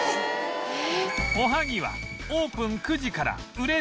おはぎはオープン９時から売れ続け